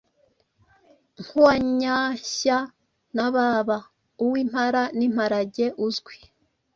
nkuwa Nyanshya na Baba, uw’impara n’imparage uzwi